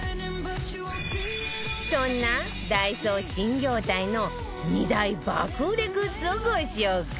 そんなダイソー新業態の２大爆売れグッズをご紹介